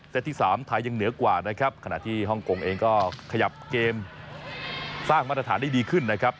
ที่๓ไทยยังเหนือกว่านะครับขณะที่ฮ่องกงเองก็ขยับเกมสร้างมาตรฐานได้ดีขึ้นนะครับ